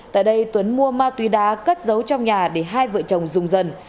tại đây tuấn mua ma túy đá cất giấu trong nhà để hai vợ chồng dùng dần